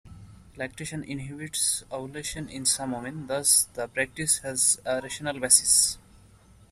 Lactation inhibits ovulation in some women, thus the practice has a rational basis.